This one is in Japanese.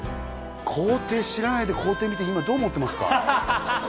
工程知らないで工程見て今どう思ってますか？